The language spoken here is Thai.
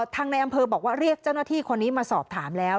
ในอำเภอบอกว่าเรียกเจ้าหน้าที่คนนี้มาสอบถามแล้ว